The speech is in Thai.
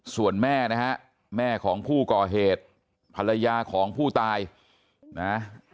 ส่วนแม่นะฮะแม่ของผู้ก่อเหตุภรรยาของผู้ตายนะ